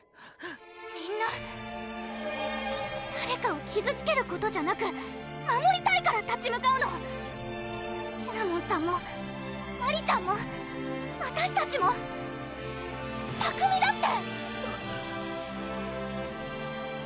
みんな誰かを傷つけることじゃなく守りたいから立ち向かうのシナモンさんもマリちゃんもあたしたちも拓海だって！